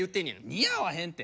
似合わへんて。